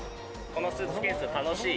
このスーツケース楽しい？